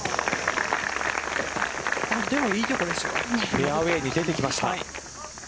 フェアウエーに出てきました。